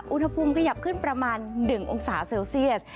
อุณหภูมิขยับขึ้นประมาณ๑องศาเซลเซียส